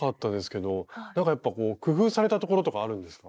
なんかやっぱ工夫されたところとかあるんですか？